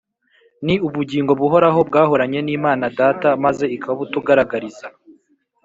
ni ubugingo buhoraho bwahoranye n’imana data maze ikabutugaragariza